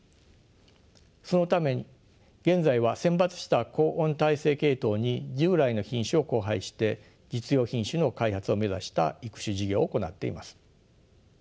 そのため現在は選抜した高温耐性系統に従来の品種を交配して実用品種の開発を目指した育種事業を行っています。